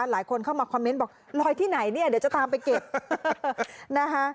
หลายคนเข้ามาคอมเมนต์บอกลอยที่ไหนเนี่ยเดี๋ยวจะตามไปเก็บนะคะ